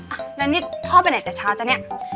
อ่ะแล้วนี่พ่อไปไหนแต่เช้าจ๊ะเนี่ย